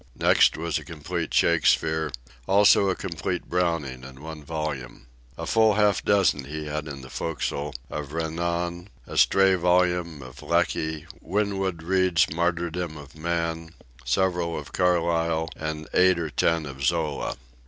Next was a complete Shakespeare; also a complete Browning in one volume. A full hall dozen he had in the forecastle of Renan, a stray volume of Lecky, Winwood Reade's Martyrdom of Man, several of Carlyle, and eight or ten of Zola.